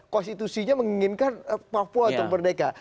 konstitusinya menginginkan papua terberdeka